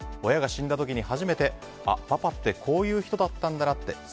親が死んだときに初めてあ、パパってこういう人だったんだなって。